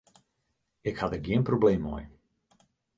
Ik ha der gjin probleem mei.